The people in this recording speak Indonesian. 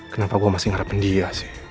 kenapa gue masih ngarepin dia